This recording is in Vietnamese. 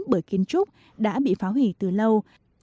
bởi kiến trúc đã bị phá hủy từ lâu